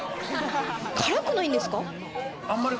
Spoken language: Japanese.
辛くないんですか？